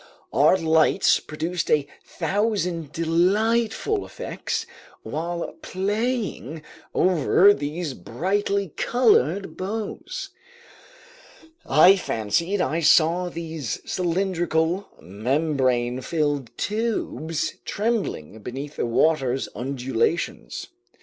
Our lights produced a thousand delightful effects while playing over these brightly colored boughs. I fancied I saw these cylindrical, membrane filled tubes trembling beneath the water's undulations.